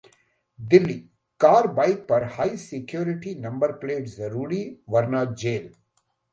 Delhi: car bike पर high security number plate जरूरी, वरना जेल!